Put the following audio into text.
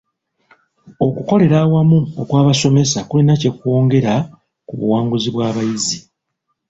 Okukolera awamu okw'abasomesa kulina kye kwongera ku buwanguzi bw'abayizi.